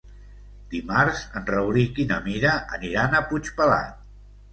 Dimarts en Rauric i na Mira aniran a Puigpelat.